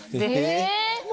え⁉